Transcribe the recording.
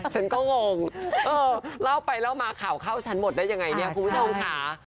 ฉันก็งงเออเล่าไปเล่ามาข่าวเข้าฉันหมดได้ยังไงเนี่ยคุณผู้ชมค่ะ